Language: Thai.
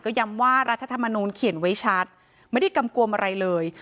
ก็ย้ำว่ารัฐธรรมนูลเขียนไว้ชัดไม่ได้กำกวมอะไรเลย